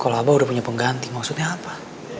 kalau abah udah punya pengganti maksudnya apa